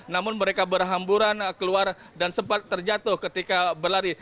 namun mereka berhamburan keluar dan sempat terjatuh ketika berlari